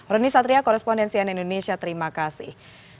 roni satria korespondensian indonesia terima kasih